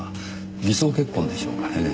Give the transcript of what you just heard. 偽装結婚でしょうかね。